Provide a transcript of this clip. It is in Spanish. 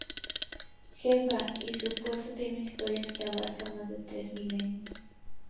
Jaffa y su puerto tienen una historia que abarca más de tres milenios.